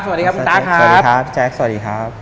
สวัสดีครับคุณตั๊กครับสวัสดีครับพี่แจ๊คสวัสดีครับ